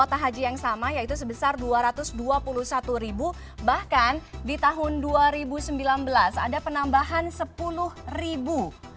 kuota haji yang sama yaitu sebesar dua ratus dua puluh satu ribu bahkan di tahun dua ribu sembilan belas ada penambahan sepuluh ribu